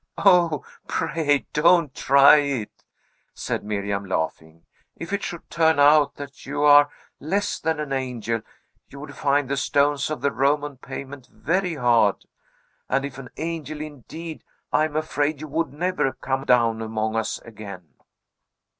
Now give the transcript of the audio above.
"O, pray don't try it!" said Miriam, laughing; "If it should turn out that you are less than an angel, you would find the stones of the Roman pavement very hard; and if an angel, indeed, I am afraid you would never come down among us again."